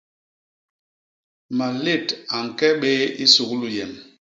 Malét a ñke béé i suglu yem.